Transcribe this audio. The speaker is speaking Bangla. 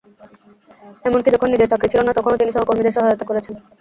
এমনকি যখন নিজের চাকরি ছিল না, তখনো তিনি সহকর্মীদের সহায়তা করেছেন।